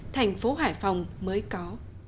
thành phố hải phòng mới có